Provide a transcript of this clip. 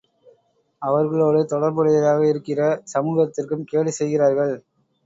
அவர்களோடு தொடர்புடையதாக இருக்கிற சமூகத்திற்கும், கேடு செய்கிறார்கள்.